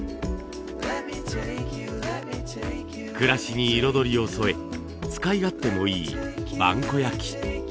暮らしに彩りを添え使い勝手もいい萬古焼。